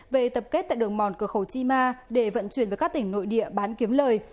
về tập kết tại đường mòn cửa khẩu chima để vận chuyển với các tỉnh nội địa bán kiếm lời